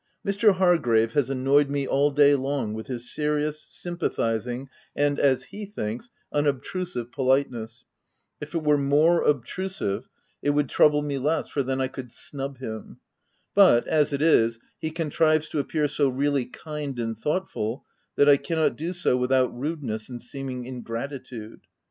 Mr. Hargrave has annoyed me all day long with his serious, sympathizing, and (as he thinks) unobtrusive politeness — if it were more obtrusive it would trouble me less, for then I could snub him ; but, as it is, he contrives to appear so really kind and thoughtful that I cannot do so without rudeness and seeming ingratitude.